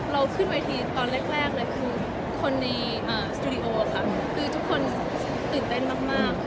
เราขึ้นรายที่ตอนแรกแรกเลยคือคนในไล่อุปกรณ์ด้วยค่ะคือทุกคนตื่นเต้นมากมาก